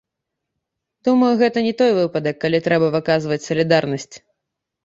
Думаю, гэта не той выпадак, калі трэба выказваць салідарнасць.